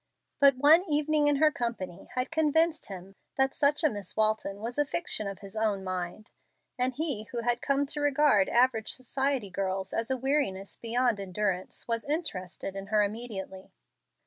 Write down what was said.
But one evening in her company had convinced him that such a Miss Walton was a fiction of his own mind, and he who had come to regard average society girls as a weariness beyond endurance was interested in her immediately.